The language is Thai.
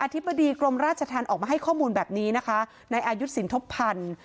ธิบดีกรมราชธรรมออกมาให้ข้อมูลแบบนี้นะคะในอายุสินทบพันธ์